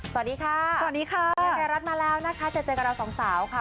สวัสดีค่ะสวัสดีค่ะไทยรัฐมาแล้วนะคะจะเจอกับเราสองสาวค่ะ